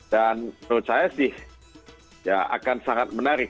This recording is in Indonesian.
dan menurut saya sih ya akan sangat menarik